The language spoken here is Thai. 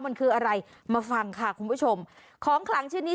มันคืออะไรมาฟังค่ะคุณผู้ชมของขลังชิ้นนี้